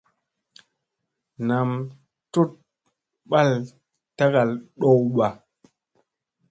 Nam tuɗ ɓal tagal ɗowba.